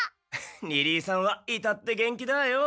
リリーさんはいたって元気だあよ。